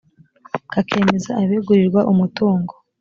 kakemeza abegurirwa umutungo